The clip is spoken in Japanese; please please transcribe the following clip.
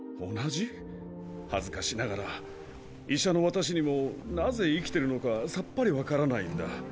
恥ずかしながら医者の私にもなぜ生きてるのかさっぱり分からないんだ。